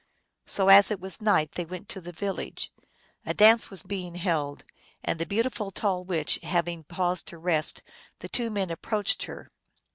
So as it was night they went to the village. A dance was being held, and the beautiful tall witch having paused to rest, the two men approached her.